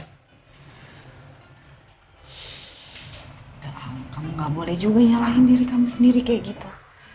jangan kamu gak boleh juga nyalahin diri kamu sendiri kayak gitu